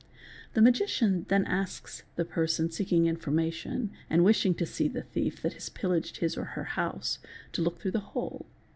The magician then asks the person seeking information and wishing to see the thief that has pillaged his or her house to look through the hole.